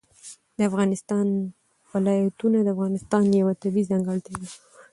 د افغانستان ولايتونه د افغانستان یوه طبیعي ځانګړتیا ده.